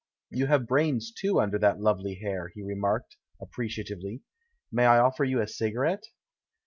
"You have brains, too, under that lovely hair," he remarked, appreciatively. "May I offer you a cigarette?"